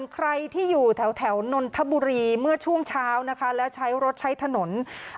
ใครที่อยู่แถวนนทบุรีเมื่อช่วงเช้านะคะแล้วใช้รถใช้ถนน